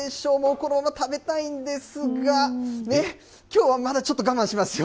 このまま食べたいんですが、きょうはまだちょっと我慢しますよ。